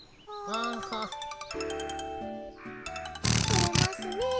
てれますねえ。